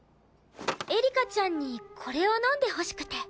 エリカちゃんにこれを飲んでほしくて。